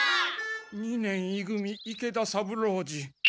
二年い組池田三郎次。